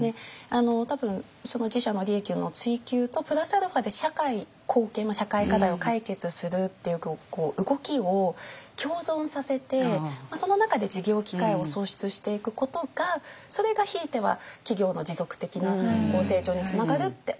多分その自社の利益の追求とプラスアルファで社会貢献社会課題を解決するっていう動きを共存させてその中で事業機会を創出していくことがそれがひいては企業の持続的な成長につながるって思ってるんで。